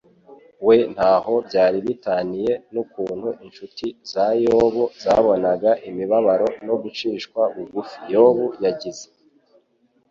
We ntaho byari bitaniye n'ukuntu inshuti za Yobu zabonaga imibabaro no gucishwa bugufi (Yobu) yagize.